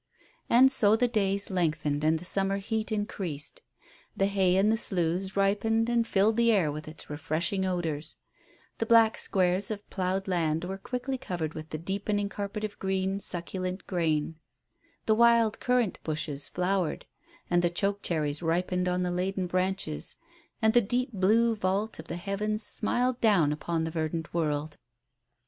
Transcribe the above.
And so the days lengthened and the summer heat increased; the hay in the sloughs ripened and filled the air with its refreshing odours; the black squares of ploughed land were quickly covered with the deepening carpet of green, succulent grain; the wild currant bushes flowered, and the choke cherries ripened on the laden branches, and the deep blue vault of the heavens smiled down upon the verdant world.